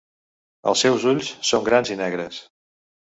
Els seus ulls són grans i negres.